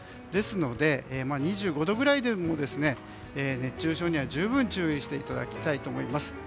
ですので、２５度くらいでも熱中症には十分注意していただきたいと思います。